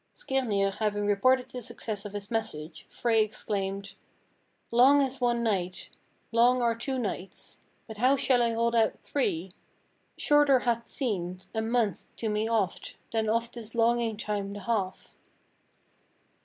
Skirnir having reported the success of his message, Frey exclaimed, "'Long is one night, Long are two nights, But how shall I hold out three? Shorter hath seemed A month to me oft Than of this longing time the half.'